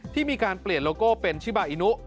ที่มีการเปลี่ยนโลโก้เป็นชิบาอินุ